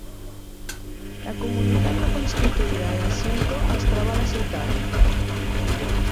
La comunitat no constituïda de Symco es troba a la ciutat.